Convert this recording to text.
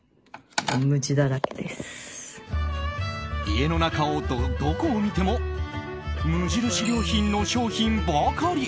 家の中のどこを見ても無印良品の商品ばかり。